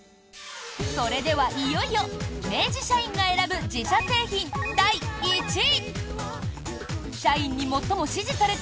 それでは、いよいよ明治社員が選ぶ自社製品第１位！